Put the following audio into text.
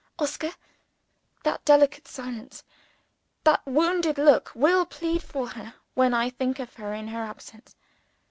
Oscar! that delicate silence, that wounded look, will plead for her when I think of her in her absence!